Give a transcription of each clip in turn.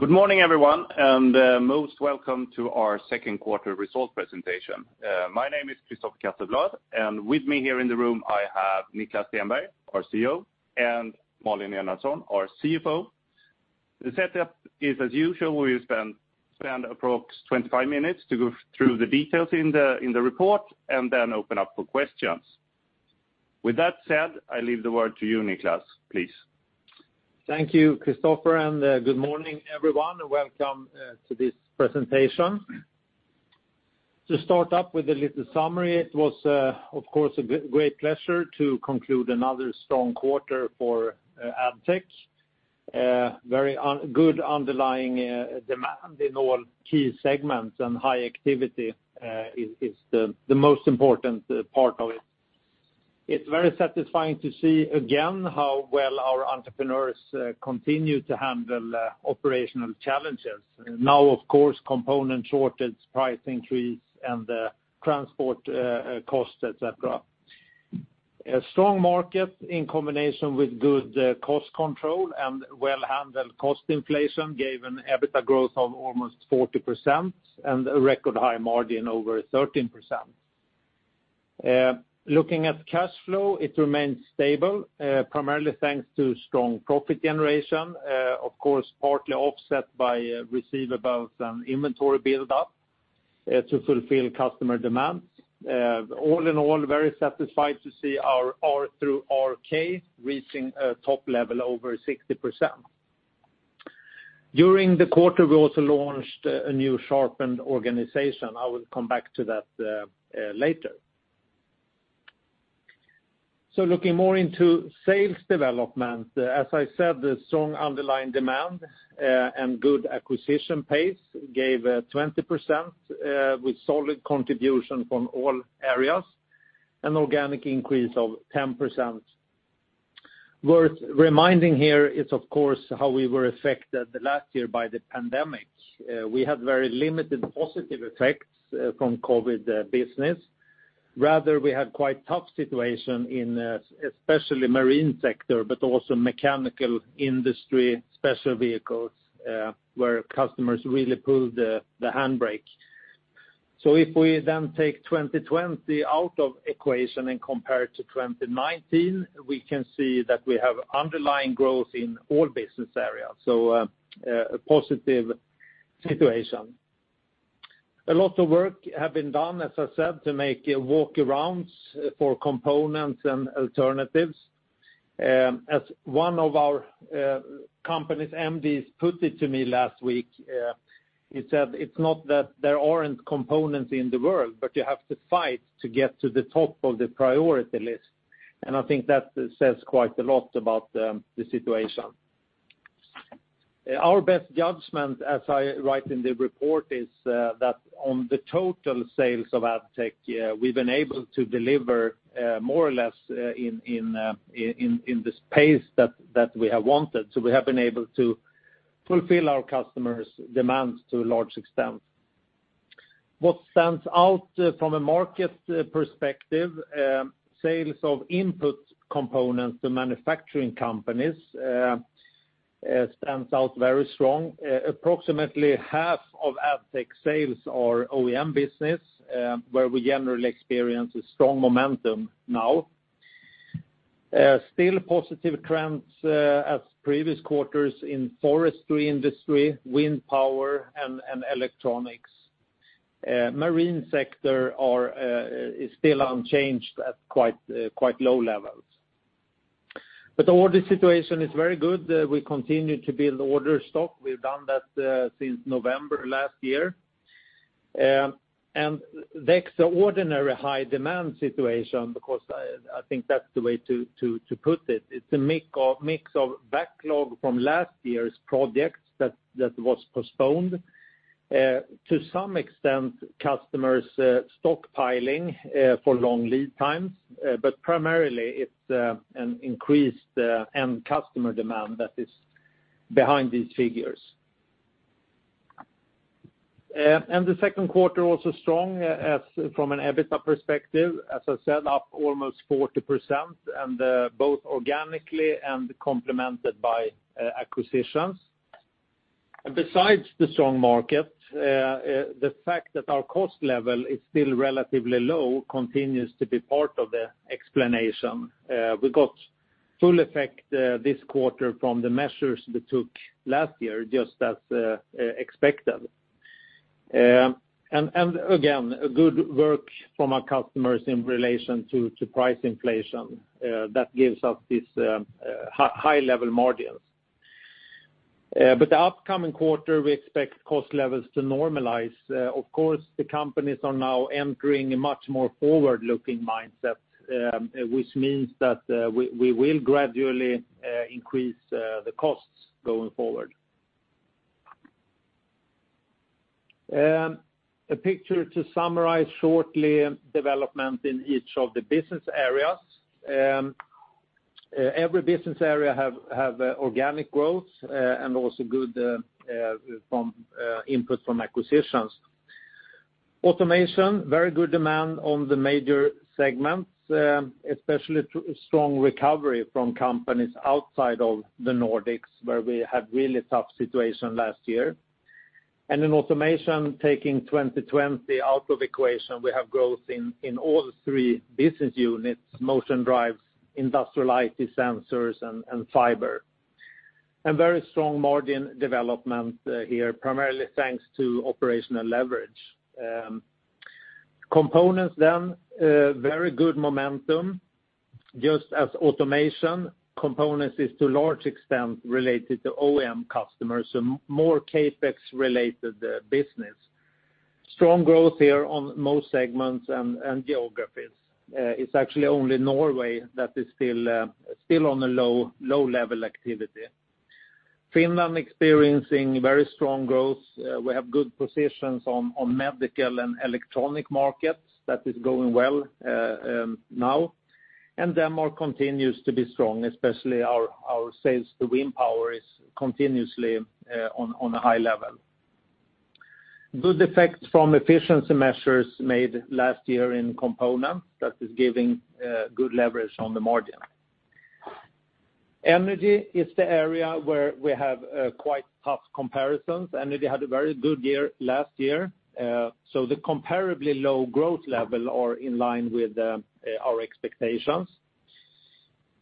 Good morning everyone, and most welcome to our second quarter results presentation. My name is Christoph Casselblad, and with me here in the room I have Niklas Stenberg, our CEO, and Malin Enarson, our CFO. The setup is as usual, we will spend approx 25 minutes to go through the details in the report, and then open up for questions. With that said, I leave the word to you, Niklas, please. Thank you, Christoph, and good morning everyone. Welcome to this presentation. To start up with a little summary, it was, of course, a great pleasure to conclude another strong quarter for Addtech. Very good underlying demand in all key segments, and high activity is the most important part of it. It's very satisfying to see again how well our entrepreneurs continue to handle operational challenges. Now of course, component shortage, price increase, and transport costs, et cetera. A strong market in combination with good cost control and well-handled cost inflation gave an EBITDA growth of almost 40%, and a record high margin over 13%. Looking at cash flow, it remains stable, primarily thanks to strong profit generation, of course, partly offset by receivables and inventory build-up, to fulfill customer demands. All in all, very satisfied to see our R through RK reaching a top level over 60%. During the quarter, we also launched a new sharpened organization. I will come back to that later. Looking more into sales development, as I said, the strong underlying demand and good acquisition pace gave 20%, with solid contribution from all areas, an organic increase of 10%. Worth reminding here is of course how we were affected the last year by the pandemic. We had very limited positive effects from COVID business. Rather, we had quite tough situation in, especially marine sector, but also mechanical industry, special vehicles, where customers really pulled the handbrake. If we then take 2020 out of equation and compare it to 2019, we can see that we have underlying growth in all business areas, so a positive situation. A lot of work have been done, as I said, to make work-arounds for components and alternatives. As one of our company's MDs put it to me last week, he said, "It's not that there aren't components in the world, but you have to fight to get to the top of the priority list." I think that says quite a lot about the situation. Our best judgment, as I write in the report, is that on the total sales of Addtech, we've been able to deliver more or less in this pace that we have wanted. We have been able to fulfill our customers' demands to a large extent. What stands out from a market perspective, sales of input components to manufacturing companies stands out very strong. Approximately half of Addtech sales are OEM business, where we generally experience a strong momentum now. Still positive trends as previous quarters in forestry industry, wind power, and electronics. Marine sector is still unchanged at quite low levels. The order situation is very good. We continue to build order stock. We've done that since November last year. The extraordinary high demand situation, because I think that's the way to put it's a mix of backlog from last year's projects that was postponed. To some extent, customers stockpiling for long lead times, but primarily it's an increased end customer demand that is behind these figures. The second quarter also strong as from an EBITDA perspective, as I said, up almost 40%, both organically and complemented by acquisitions. Besides the strong market, the fact that our cost level is still relatively low continues to be part of the explanation. We got full effect this quarter from the measures we took last year, just as expected. Again, good work from our customers in relation to price inflation that gives us this high-level margins. The upcoming quarter, we expect cost levels to normalize. Of course, the companies are now entering a much more forward-looking mindset, which means that we will gradually increase the costs going forward. A picture to summarize shortly development in each of the business areas. Every business area have organic growth and also good input from acquisitions. Automation, very good demand on the major segments, especially strong recovery from companies outside of the Nordics, where we had really tough situation last year. In automation, taking 2020 out of equation, we have growth in all three business units, Motion & Drives, Industrial IT & Sensors, and fiber. A very strong margin development here, primarily thanks to operational leverage. Components then, very good momentum just as Automation, Components is to large extent related to OEM customers, so more CapEx related business. Strong growth here on most segments and geographies. It's actually only Norway that is still on a low-level activity. Finland experiencing very strong growth. We have good positions on medical and electronic markets that is going well, now. Denmark continues to be strong, especially our sales to wind power is continuously on a high level. Good effects from efficiency measures made last year in Components that is giving good leverage on the margin. Energy is the area where we have quite tough comparisons. Energy had a very good year last year, so the comparably low growth level are in line with our expectations.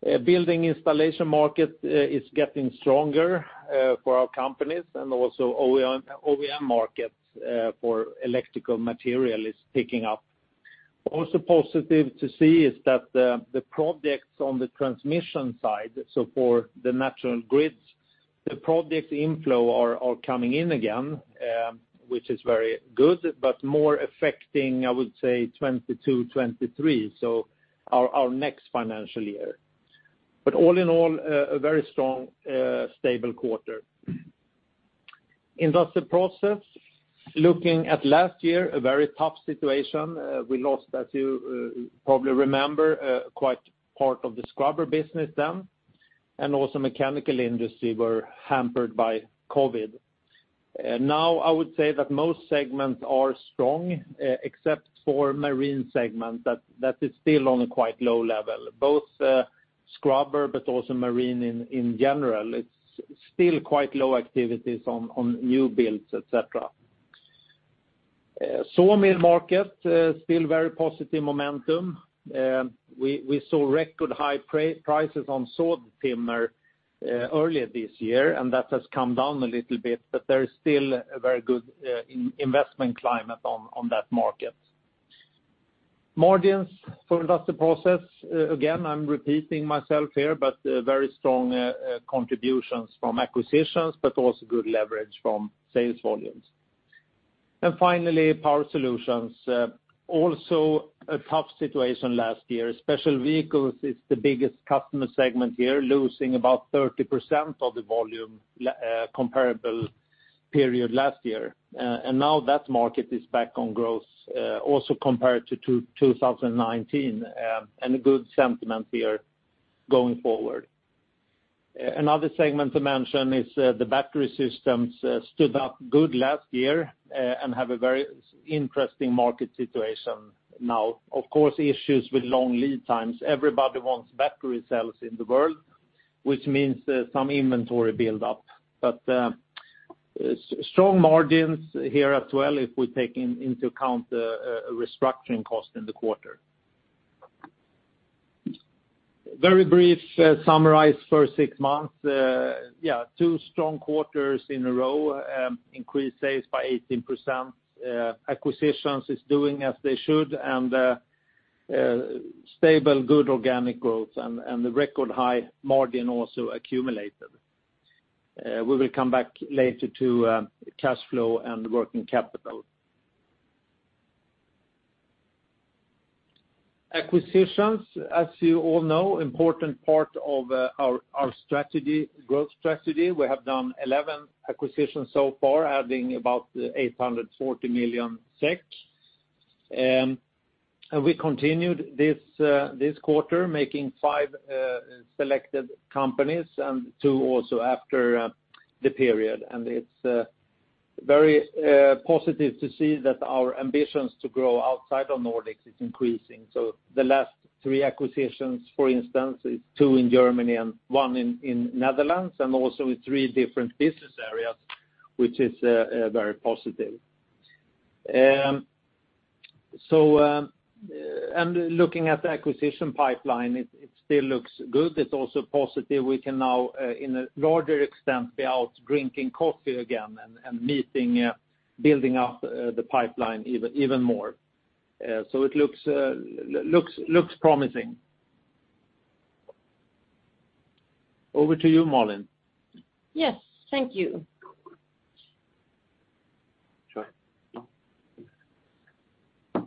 Building installation market is getting stronger for our companies and also OEM markets for electrical material is picking up. Also positive to see is that the projects on the transmission side, so for the national grids, the project inflow are coming in again, which is very good, but more affecting, I would say, 2022, 2023, so our next financial year. But all in all, a very strong stable quarter. Industrial Process, looking at last year, a very tough situation. We lost, as you probably remember, quite part of the scrubber business then, and also mechanical industry were hampered by COVID. Now I would say that most segments are strong except for marine segment, that is still on a quite low level, both scrubber but also marine in general. It's still quite low activities on new builds, et cetera. Saw mill market still very positive momentum. We saw record high prices on saw timber earlier this year, and that has come down a little bit, but there is still a very good investment climate on that market. Margins for Industrial Process again, I'm repeating myself here, but very strong contributions from acquisitions, but also good leverage from sales volumes. Finally, Power Solutions also a tough situation last year. Special vehicles is the biggest customer segment here, losing about 30% of the volume in the comparable period last year. Now that market is back on growth, also compared to 2019, and a good sentiment here going forward. Another segment to mention is the battery systems, stood up good last year, and have a very interesting market situation now. Of course, issues with long lead times. Everybody wants battery cells in the world, which means some inventory build up. Strong margins here as well if we take into account a restructuring cost in the quarter. Very brief summary for six months. Yeah, two strong quarters in a row, increased sales by 18%. Acquisitions is doing as they should, and stable good organic growth and the record high margin also accumulated. We will come back later to cash flow and working capital. Acquisitions, as you all know, important part of our strategy, growth strategy. We have done 11 acquisitions so far, adding about 840 million SEK. We continued this quarter, making 5 selected companies and 2 also after the period. It's very positive to see that our ambitions to grow outside of Nordics is increasing. The last 3 acquisitions, for instance, is 2 in Germany and 1 in Netherlands, and also in 3 different business areas, which is very positive. Looking at the acquisition pipeline, it still looks good. It's also positive we can now in a larger extent be out drinking coffee again and meeting, building up the pipeline even more. It looks promising. Over to you, Malin. Yes. Thank you.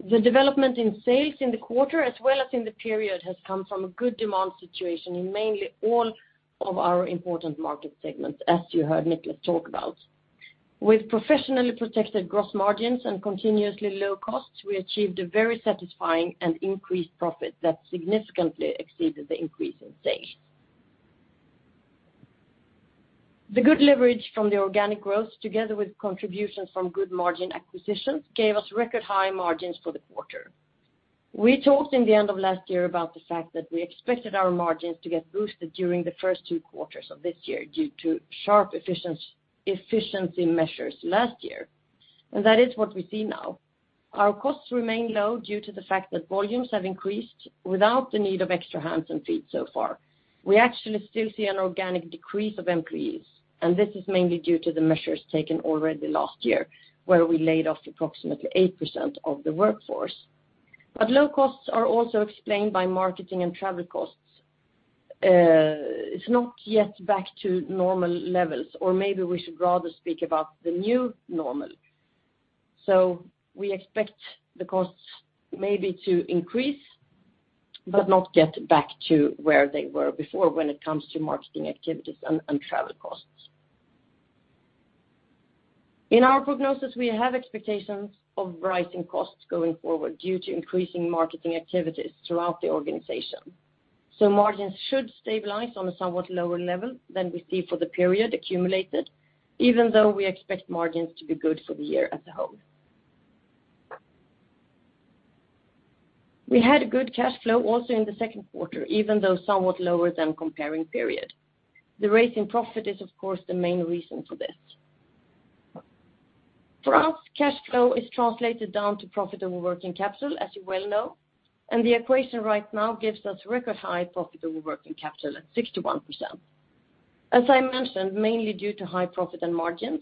Sure. The development in sales in the quarter as well as in the period has come from a good demand situation in mainly all of our important market segments, as you heard Niklas talk about. With professionally protected gross margins and continuously low costs, we achieved a very satisfying and increased profit that significantly exceeded the increase in sales. The good leverage from the organic growth together with contributions from good margin acquisitions gave us record high margins for the quarter. We talked in the end of last year about the fact that we expected our margins to get boosted during the first two quarters of this year due to sharp efficiency measures last year. That is what we see now. Our costs remain low due to the fact that volumes have increased without the need of extra hands and feet so far. We actually still see an organic decrease of employees, and this is mainly due to the measures taken already last year, where we laid off approximately 8% of the workforce. Low costs are also explained by marketing and travel costs. It's not yet back to normal levels, or maybe we should rather speak about the new normal. We expect the costs maybe to increase but not get back to where they were before when it comes to marketing activities and travel costs. In our prognosis, we have expectations of rising costs going forward due to increasing marketing activities throughout the organization. Margins should stabilize on a somewhat lower level than we see for the period accumulated, even though we expect margins to be good for the year as a whole. We had good cash flow also in the second quarter, even though somewhat lower than comparable period. The rise in profit is of course the main reason for this. For us, cash flow boils down to profitable working capital, as you well know, and the equation right now gives us record high profitable working capital at 61%. As I mentioned, mainly due to high profit and margins,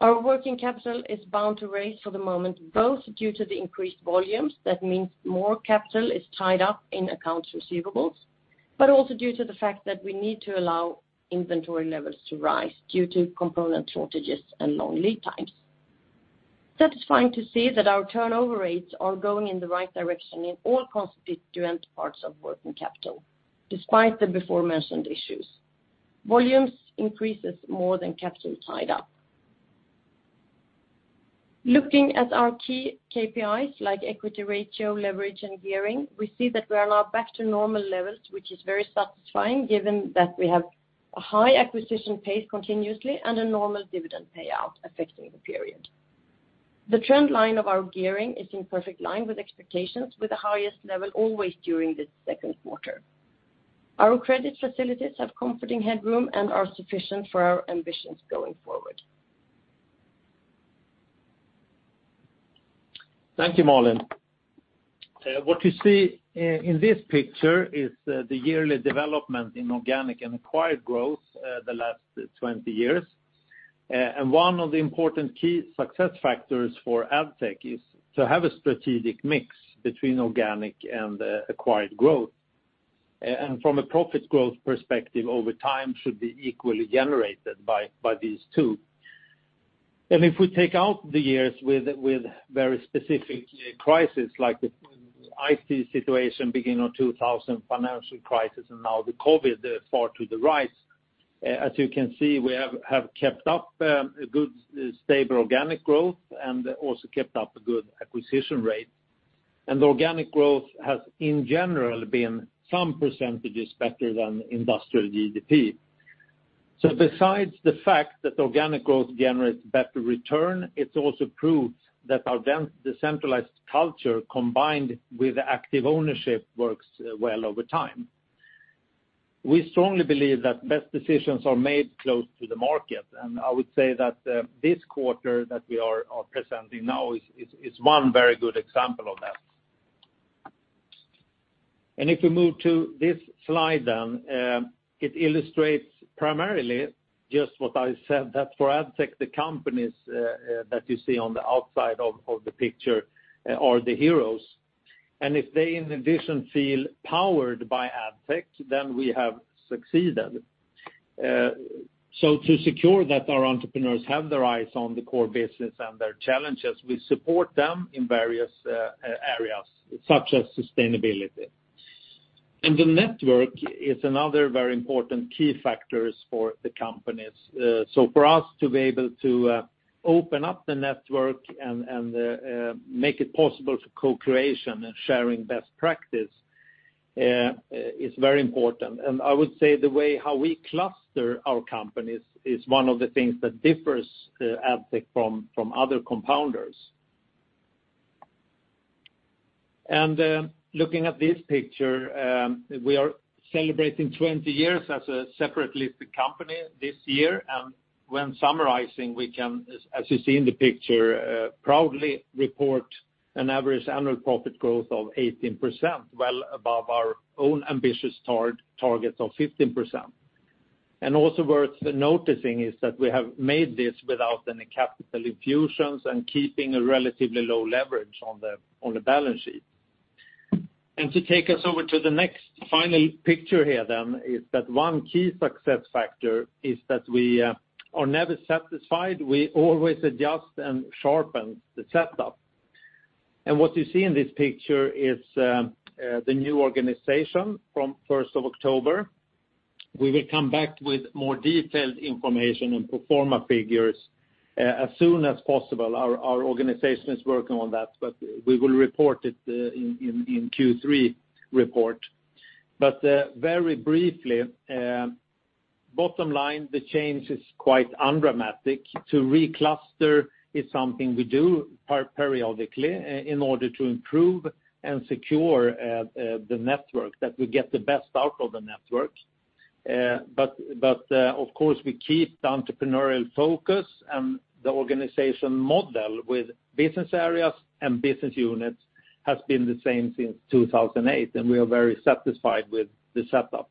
our working capital is bound to rise for the moment both due to the increased volumes, that means more capital is tied up in accounts receivable, but also due to the fact that we need to allow inventory levels to rise due to component shortages and long lead times. It is satisfying to see that our turnover rates are going in the right direction in all constituent parts of working capital, despite the aforementioned issues. Volumes increase more than capital tied up. Looking at our key KPIs like equity ratio, leverage, and gearing, we see that we are now back to normal levels, which is very satisfying given that we have a high acquisition pace continuously and a normal dividend payout affecting the period. The trend line of our gearing is in perfect line with expectations with the highest level always during this second quarter. Our credit facilities have comforting headroom and are sufficient for our ambitions going forward. Thank you, Malin. What you see in this picture is the yearly development in organic and acquired growth the last 20 years. One of the important key success factors for Addtech is to have a strategic mix between organic and acquired growth. From a profit growth perspective over time should be equally generated by these two. If we take out the years with very specific crisis, like the IT situation beginning of 2000 financial crisis and now the COVID far to the right, as you can see, we have kept up a good stable organic growth and also kept up a good acquisition rate. Organic growth has in general been some percentages better than industrial GDP. Besides the fact that organic growth generates better return, it also proves that our decentralized culture combined with active ownership works well over time. We strongly believe that best decisions are made close to the market, and I would say that this quarter that we are presenting now is one very good example of that. If we move to this slide then, it illustrates primarily just what I said, that for Addtech, the companies that you see on the outside of the picture are the heroes. If they in addition feel powered by Addtech, then we have succeeded. To secure that our entrepreneurs have their eyes on the core business and their challenges, we support them in various areas such as sustainability. The network is another very important key factors for the companies. So, for us to be able to open up the network and make it possible to co-creation and sharing best practice is very important. I would say the way how we cluster our companies is one of the things that differs Addtech from other compounders. Looking at this picture, we are celebrating 20 years as a separate company this year, and when summarizing, we can, as you see in the picture, proudly report an average annual profit growth of 18%, well above our own ambitious targets of 15%. Also worth noticing is that we have made this without any capital infusions and keeping a relatively low leverage on the balance sheet. To take us over to the next final picture here then is that one key success factor is that we are never satisfied. We always adjust and sharpen the setup. What you see in this picture is the new organization from October 1st. We will come back with more detailed information and pro forma figures as soon as possible. Our organization is working on that, but we will report it in Q3 report. Very briefly, bottom line, the change is quite undramatic. To recluster is something we do periodically in order to improve and secure the network, that we get the best out of the network. Of course, we keep the entrepreneurial focus and the organization model with business areas and business units has been the same since 2008, and we are very satisfied with the setup.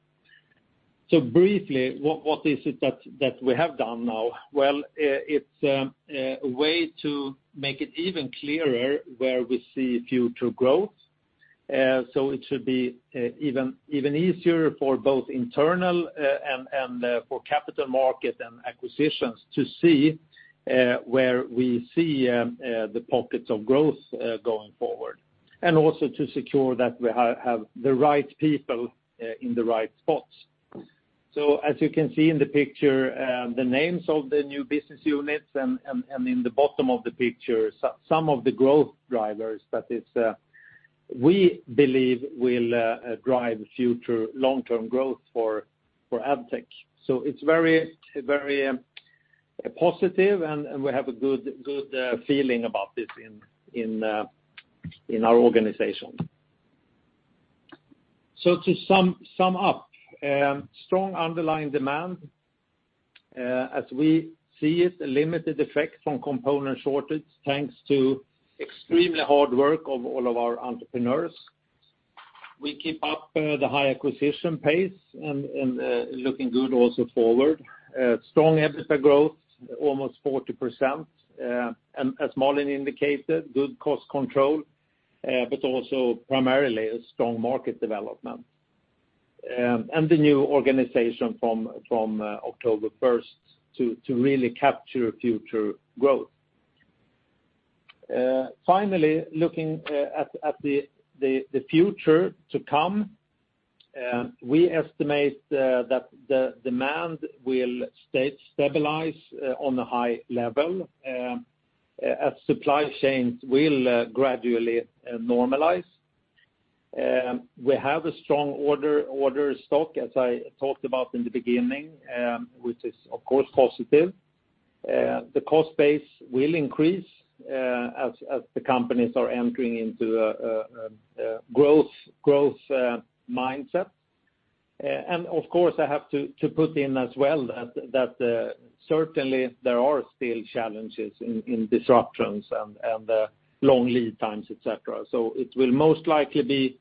Briefly, what is it that we have done now? It's a way to make it even clearer where we see future growth. It should be even easier for both internal and for capital market and acquisitions to see where we see the pockets of growth going forward, and also to secure that we have the right people in the right spots. As you can see in the picture, the names of the new business units and in the bottom of the picture, some of the growth drivers that we believe will drive future long-term growth for Addtech. It's very positive, and we have a good feeling about this in our organization. To sum up, strong underlying demand, as we see it, a limited effect from component shortage, thanks to extremely hard work of all of our entrepreneurs. We keep up the high acquisition pace and looking good also forward. Strong EBITDA growth, almost 40%, and as Malin indicated, good cost control, but also primarily a strong market development. The new organization from October 1st to really capture future growth. Finally, looking at the future to come, we estimate that the demand will stay stabilized on a high level, as supply chains will gradually normalize. We have a strong order stock, as I talked about in the beginning, which is of course positive. The cost base will increase, as the companies are entering into a growth mindset. Of course, I have to put in as well that certainly there are still challenges in disruptions and long lead times, et cetera. It will most likely be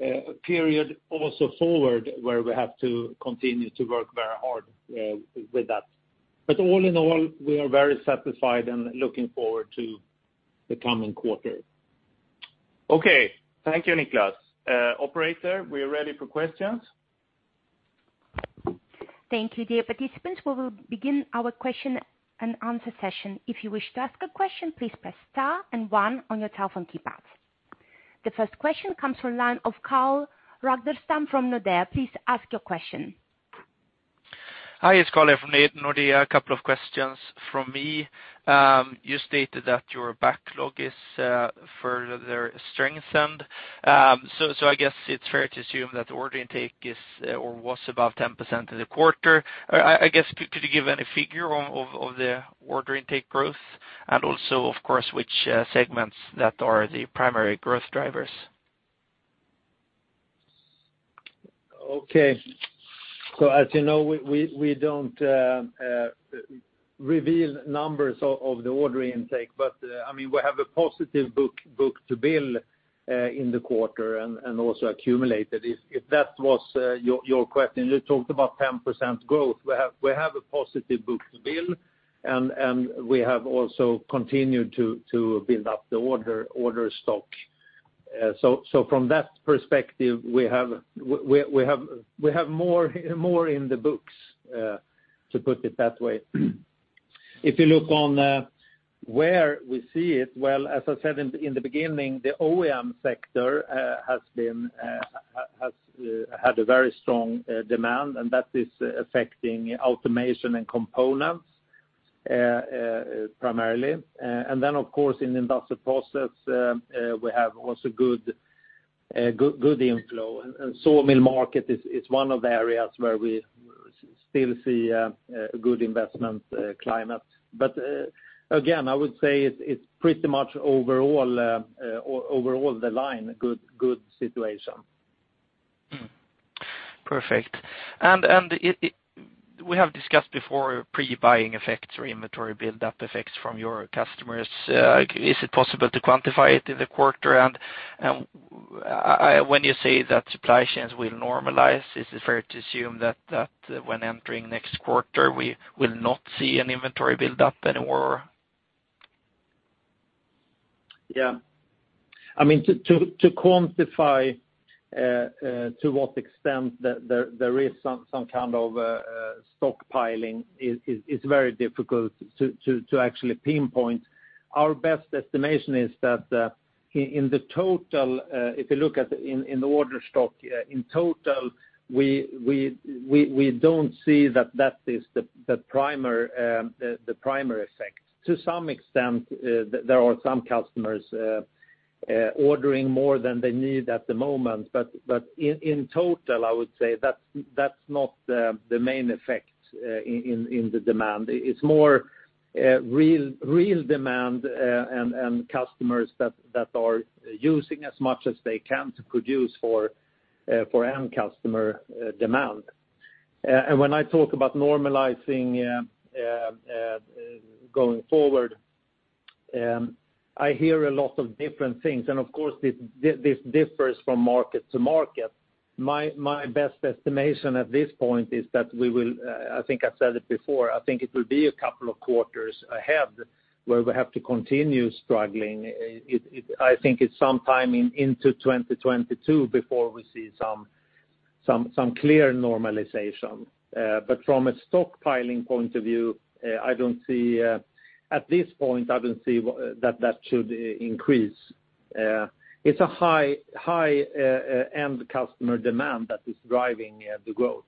a period also forward where we have to continue to work very hard with that. All in all, we are very satisfied and looking forward to the coming quarter. Okay. Thank you, Niklas. Operator, we are ready for questions. Thank you, dear participants. We will begin our question-and-answer session. If you wish to ask a question, please press star and one on your telephone keypad. The first question comes from the line of Carl Ragnerstam from Nordea. Please ask your question. Hi, it's Carl from Nordea. A couple of questions from me. You stated that your backlog is further strengthened. I guess it's fair to assume that order intake is or was above 10% in the quarter. I guess, could you give any figure on the order intake growth? Also, of course, which segments that are the primary growth drivers? Okay. As you know, we don't reveal numbers of the order intake. I mean, we have a positive book-to-bill in the quarter and also accumulated. If that was your question, you talked about 10% growth. We have a positive book-to-bill and we have also continued to build up the order stock. From that perspective, we have more in the books, to put it that way. If you look at where we see it, well, as I said in the beginning, the OEM sector has had a very strong demand, and that is affecting Automation and Components primarily. Of course, in Industrial Process, we have also good inflow. Sawmill market is one of the areas where we still see good investment climate. Again, I would say it's pretty much overall the line, good situation. Perfect. We have discussed before pre-buying effects or inventory build-up effects from your customers. Is it possible to quantify it in the quarter? When you say that supply chains will normalize, is it fair to assume that when entering next quarter, we will not see an inventory build-up anymore? Yeah. I mean, to quantify to what extent there is some kind of stockpiling is very difficult to actually pinpoint. Our best estimation is that in total, if you look at the order stock, in total, we don't see that that is the primary effect. To some extent, there are some customers ordering more than they need at the moment, but in total, I would say that's not the main effect in the demand. It's more real demand and customers that are using as much as they can to produce for end customer demand. When I talk about normalizing going forward, I hear a lot of different things. Of course this differs from market to market. My best estimation at this point is that we will, I think I've said it before, I think it will be a couple of quarters ahead where we have to continue struggling. It I think it's sometime into 2022 before we see some clear normalization. From a stockpiling point of view, I don't see at this point that should increase. It's a high-end customer demand that is driving the growth.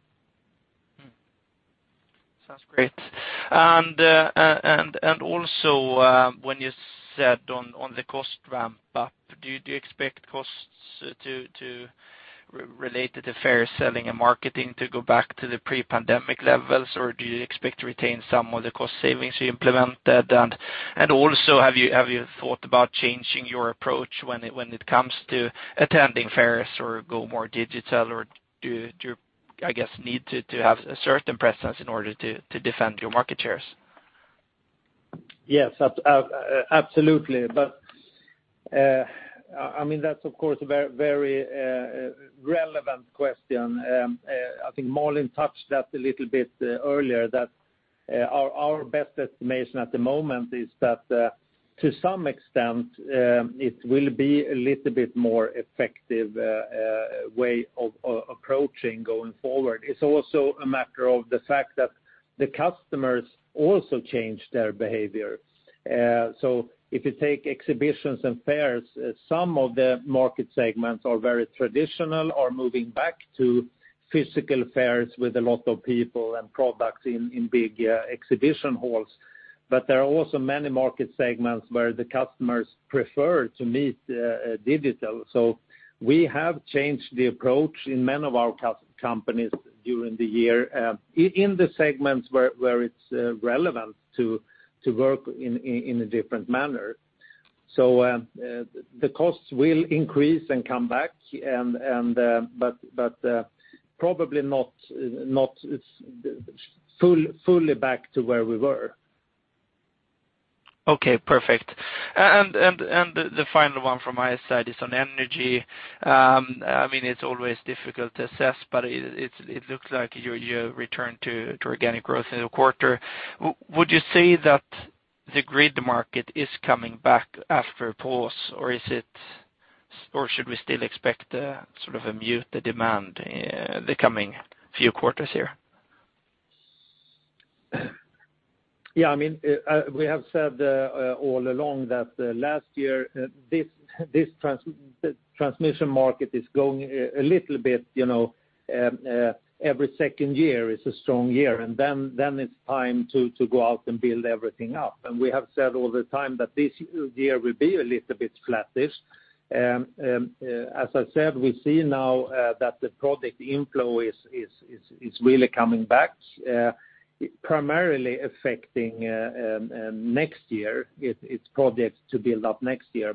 Sounds great. Also, when you said on the cost ramp up, do you expect costs related to fairs, selling and marketing to go back to the pre-pandemic levels? Or do you expect to retain some of the cost savings you implemented? Also, have you thought about changing your approach when it comes to attending fairs or go more digital? Or do you, I guess, need to have a certain presence in order to defend your market shares? Yes, absolutely. I mean, that's of course a very relevant question. I think Malin touched that a little bit earlier, that our best estimation at the moment is that to some extent it will be a little bit more effective way of approaching going forward. It's also a matter of the fact that the customers also change their behavior. If you take exhibitions and fairs, some of the market segments are very traditional or moving back to physical fairs with a lot of people and products in big exhibition halls. There are also many market segments where the customers prefer to meet digitally. We have changed the approach in many of our companies during the year, in the segments where it's relevant to work in a different manner. The costs will increase and come back, but probably not fully back to where we were. Okay, perfect. The final one from my side is on Energy. I mean, it's always difficult to assess, but it looks like you returned to organic growth in the quarter. Would you say that the grid market is coming back after a pause? Or should we still expect a sort of a muted demand, the coming few quarters here? Yeah, I mean, we have said all along that last year this transmission market is going a little bit, you know, every second year is a strong year, and then it's time to go out and build everything up. We have said all the time that this year will be a little bit flattish. As I said, we see now that the project inflow is really coming back, primarily affecting next year. It's projects to build up next year.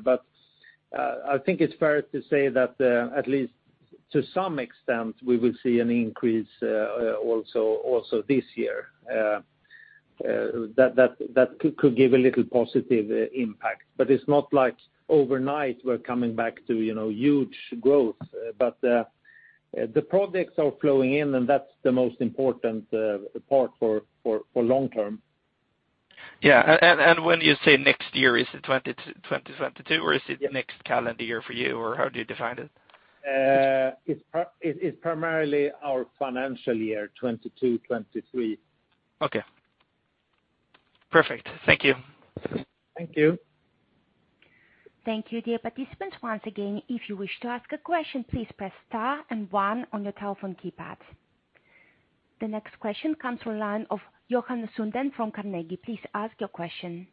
I think it's fair to say that at least to some extent we will see an increase also this year that could give a little positive impact. It's not like overnight we're coming back to, you know, huge growth. The projects are flowing in, and that's the most important part for long term. When you say next year, is it 2022, or is it next calendar year for you, or how do you define it? It's primarily our financial year 2022-2023. Okay. Perfect. Thank you. Thank you. Thank you, dear participants. Once again, if you wish to ask a question, please press star and one on your telephone keypad. The next question comes from the line of Johan Sundén from Carnegie. Please ask your question.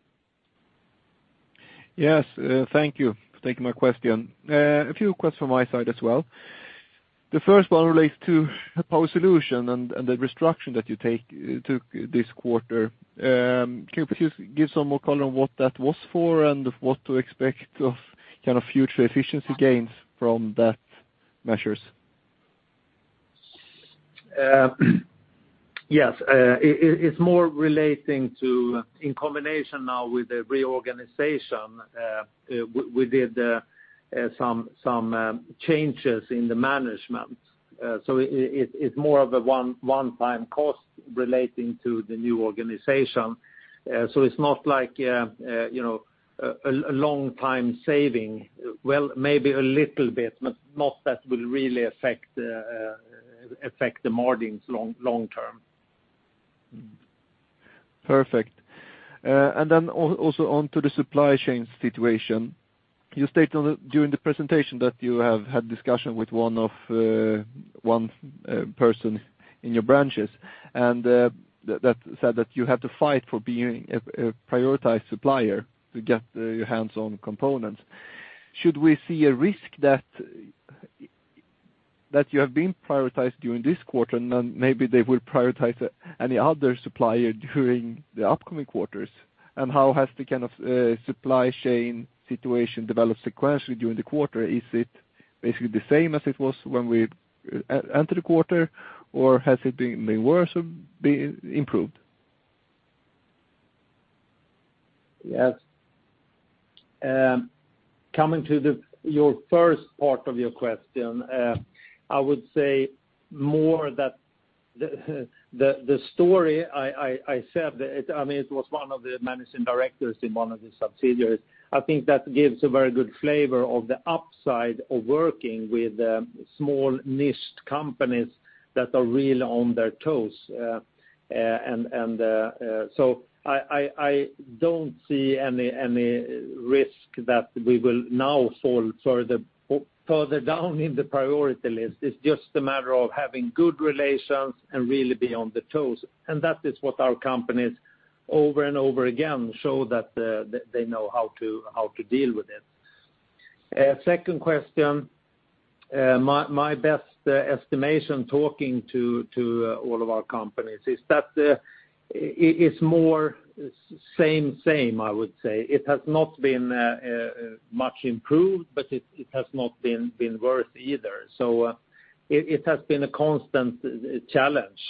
Yes. Thank you for taking my question. A few questions from my side as well. The first one relates to Power Solutions and the restructure that you took this quarter. Can you please give some more color on what that was for and what to expect of kind of future efficiency gains from those measures? Yes. It's more relating to, in combination now with the reorganization, we did some changes in the management. So, it's more of a one-time cost relating to the new organization. So, it's not like, you know, a long time saving. Well, maybe a little bit, but not that will really affect the margins long term. Perfect. Also, on to the supply chain situation. You stated during the presentation that you have had discussion with one person in your branches, and that said that you have to fight for being a prioritized supplier to get your hands on components. Should we see a risk that you have been prioritized during this quarter, and then maybe they will prioritize any other supplier during the upcoming quarters? How has the kind of supply chain situation developed sequentially during the quarter? Is it basically the same as it was when we enter the quarter, or has it been made worse or been improved? Yes. Coming to your first part of your question, I would say more that the story I said, I mean, it was one of the managing directors in one of the subsidiaries. I think that gives a very good flavor of the upside of working with small niche companies that are really on their toes. So, I don't see any risk that we will now fall sort of further down in the priority list. It's just a matter of having good relations and really be on their toes. That is what our companies over and over again show that they know how to deal with it. Second question, my best estimation talking to all of our companies is that it's more same, I would say. It has not been much improved, but it has not been worse either. It has been a constant challenge.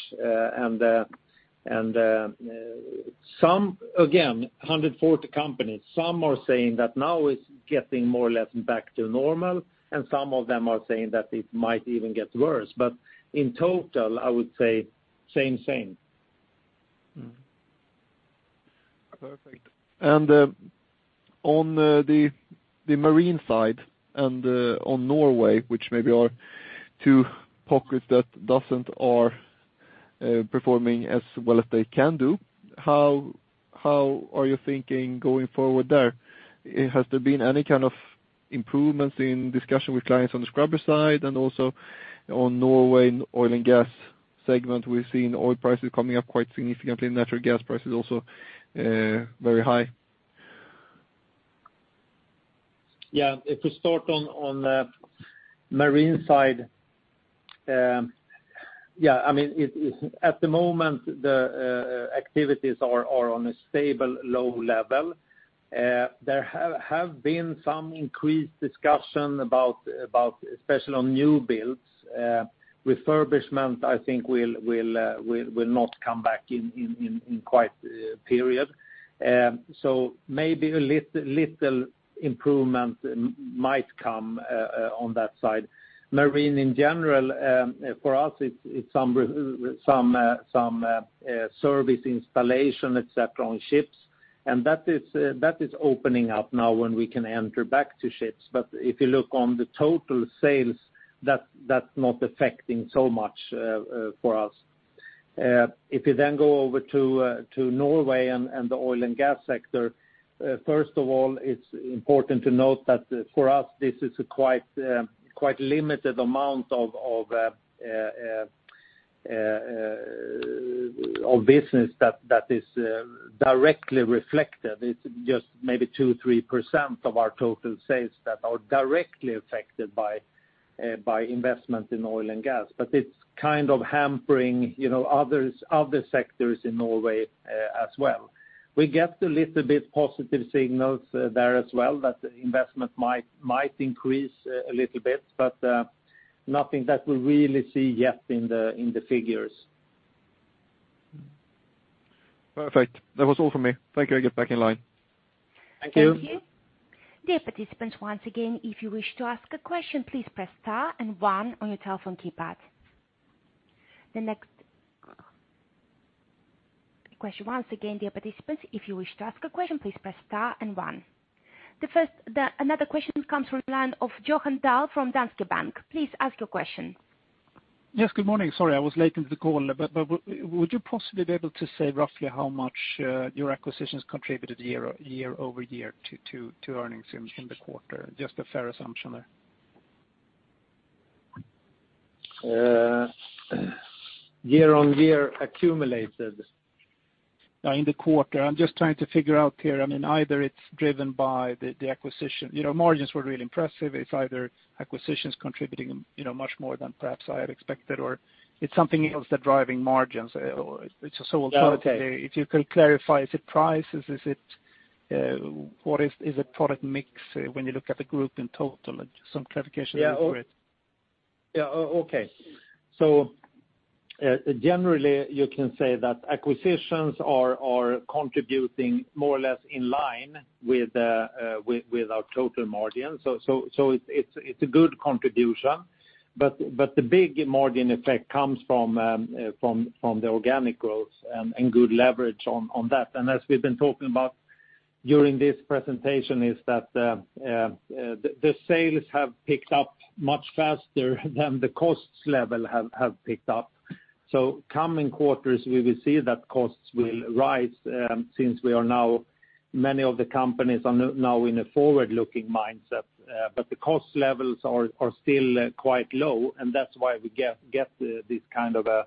Some again, 140 companies, some are saying that now it's getting more or less back to normal, and some of them are saying that it might even get worse. In total, I would say same. Perfect. On the marine side and on Norway, which maybe are two pockets that aren't performing as well as they can do, how are you thinking going forward there? Has there been any kind of improvements in discussion with clients on the scrubber side and also on Norway oil and gas segment? We've seen oil prices coming up quite significantly. Natural gas prices also very high. Yeah. If we start on the marine side, yeah, I mean, it at the moment the activities are on a stable low level. There have been some increased discussion about especially on new builds. Refurbishment I think will not come back in quite a period. Maybe a little improvement might come on that side. Marine in general, for us, it's some service installation, et cetera, on ships, and that is opening up now when we can enter back to ships. If you look on the total sales, that's not affecting so much for us. If you then go over to Norway and the oil and gas sector, first of all, it's important to note that for us this is a quite limited amount of business that is directly reflected. It's just maybe 2%-3% of our total sales that are directly affected by investment in oil and gas. It's kind of hampering, you know, other sectors in Norway as well. We get a little bit positive signal there as well that investment might increase a little bit, but nothing that we really see yet in the figures. Perfect. That was all for me. Thank you. I get back in line. Thank you. Thank you. Dear participants, once again, if you wish to ask a question, please press star and one on your telephone keypad. The next question, once again dear participants, if you wish to ask question, please press star and one. The first question comes from the line of Johan Dahl from Danske Bank. Please ask your question. Yes, good morning. Sorry, I was late into the call. Would you possibly be able to say roughly how much your acquisitions contributed year-over-year to earnings in the quarter? Just a fair assumption there. Year-on-year accumulated. In the quarter. I'm just trying to figure out here, I mean, either it's driven by the acquisition. You know, margins were really impressive. It's either acquisitions contributing, you know, much more than perhaps I had expected, or it's something else that driving margins. It's so hard to- Okay. If you could clarify, is it prices? Is it, what is it product mix when you look at the group in total? Just some clarification for it. Generally, you can say that acquisitions are contributing more or less in line with our total margins. It's a good contribution. But the big margin effect comes from the organic growth and good leverage on that. As we've been talking about during this presentation, the sales have picked up much faster than the costs level have picked up. Coming quarters we will see that costs will rise, since many of the companies are now in a forward-looking mindset, but the cost levels are still quite low, and that's why we get this kind of a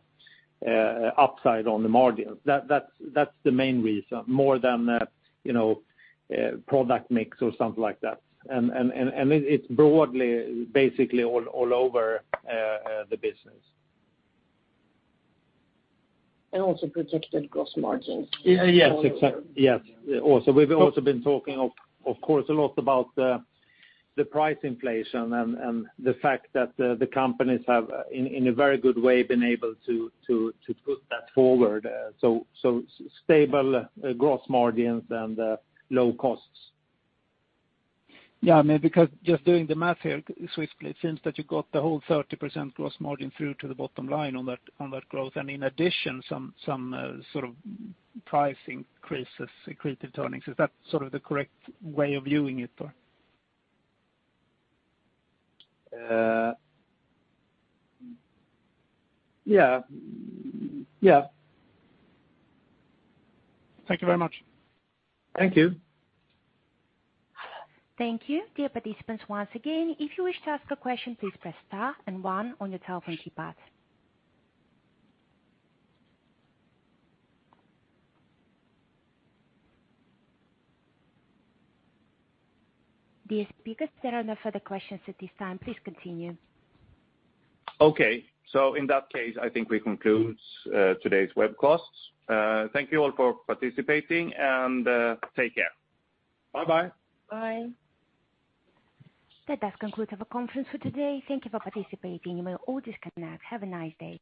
upside on the margin. That's the main reason, more than you know, product mix or something like that. It's broadly basically all over the business. Also projected gross margins. Yes, exactly. Also, we've been talking, of course, a lot about the price inflation and the fact that the companies have, in a very good way, been able to put that forward. So, stable gross margins and low costs. Yeah, I mean, because just doing the math here swiftly, it seems that you got the whole 30% gross margin through to the bottom line on that growth. In addition, some sort of price increases, accretive earnings. Is that sort of the correct way of viewing it or? Yeah. Yeah. Thank you very much. Thank you. Thank you. Dear participants, once again, if you wish to ask a question, please press star and one on your telephone keypad. The speakers, there are no further questions at this time. Please continue. Okay. In that case, I think we conclude today's webcast. Thank you all for participating and take care. Bye-bye. Bye. That does conclude our conference for today. Thank you for participating. You may all disconnect. Have a nice day.